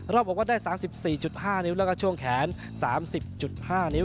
บอกว่าได้๓๔๕นิ้วแล้วก็ช่วงแขน๓๐๕นิ้ว